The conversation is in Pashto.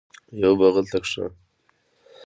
یوه بغل ته شه